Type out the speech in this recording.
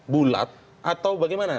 bulat atau bagaimana